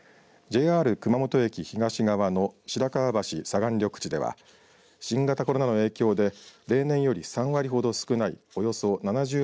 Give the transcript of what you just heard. ＪＲ熊本駅東側の白川橋左岸緑地では新型コロナの影響で例年より３割ほど少ないおよそ